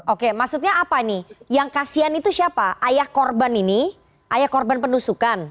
oke maksudnya apa nih yang kasihan itu siapa ayah korban ini ayah korban penusukan